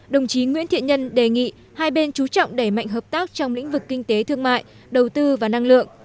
đồng chí nguyễn thiện nhân đề nghị hai bên chú trọng đẩy mạnh hợp tác trong lĩnh vực kinh tế thương mại đầu tư và năng lượng